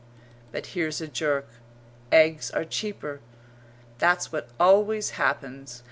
But here's a jerk. "Eggs are cheaper!" That's what always happens!